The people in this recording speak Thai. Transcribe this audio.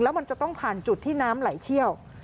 มันจะต้องผ่านจุดที่น้ำไหลเชี่ยว